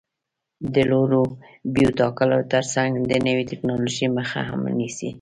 د لوړو بیو ټاکلو ترڅنګ د نوې ټکنالوژۍ مخه هم نیسي.